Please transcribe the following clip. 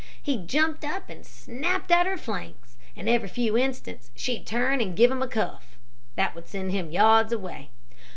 He jumped up and snapped at her flanks, and every few instants she'd turn and give him a cuff, that would send him yards away.